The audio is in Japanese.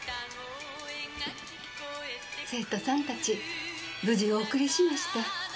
生徒さんたち無事お送りしました。